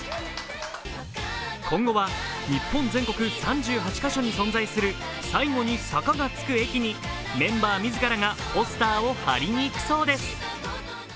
今後は日本全国３８カ所に存在する最後に「坂」がつく駅にメンバー自らがポスターを貼りに行くそうです。